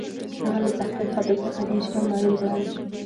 هغه له تحقیقاتو څخه ډېر شيان معلوم کړل.